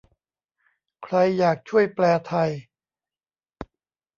ใครอยากช่วยแปลไทย